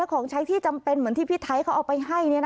ของใช้ที่จำเป็นเหมือนที่พี่ไทยเขาเอาไปให้